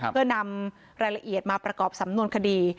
เพื่อนำรายละเอียดมาประกอบสำนวนคดี